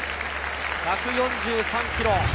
１４３キロ。